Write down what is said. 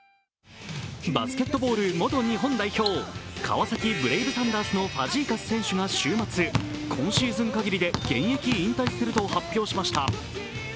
バスケットボール元日本代表、川崎ブレイブサンダースのファジーカス選手が週末、今シーズンかぎりで現役引退すると発表しました。